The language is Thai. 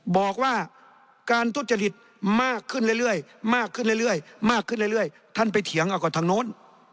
บอกว่าการทุจริตมากขึ้นเรื่อยท่านไปเถียงออกกว่าทางโน้น